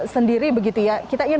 sendiri begitu ya kita ingin